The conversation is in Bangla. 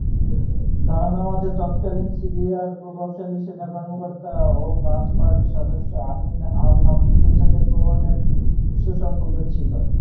ধারণা মতে, তৎকালীন সিরিয়ার প্রভাবশালী সেনা কর্মকর্তা ও বাথ পার্টির সদস্য আমিন আল-হাফিজের সাথেও কোহেনের সুসম্পর্ক ছিল।